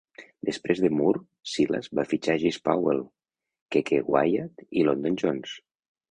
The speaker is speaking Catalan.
Després de Moore, Silas va fitxar Jesse Powell, Keke Wyatt i London Jones.